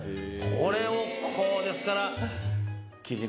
これをこうですから。